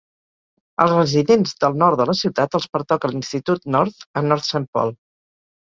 Als residents del nord de la ciutat els pertoca l'institut North a North Saint Paul.